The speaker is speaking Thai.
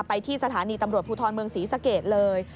ไปที่สถานีตำรวจภูทรเมืองศรีสะเกดเลย